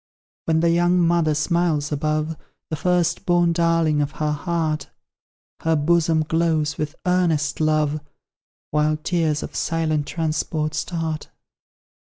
When the young mother smiles above The first born darling of her heart, Her bosom glows with earnest love, While tears of silent transport start.